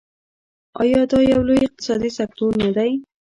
آیا دا یو لوی اقتصادي سکتور نه دی؟